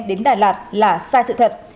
đến đà lạt là sai sự thật